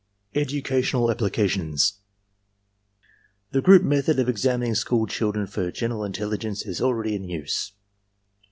EDUCATIONAL APPLICATIONS The group method of examining school schildren for general intelligence is already in use.